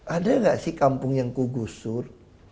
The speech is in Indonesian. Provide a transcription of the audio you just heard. ada nggak sih kampung yang kugusur